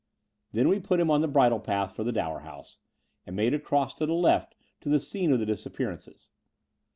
Then we put him on the bridle path for the Dower House, and made across to the left to the scene of the disappearances.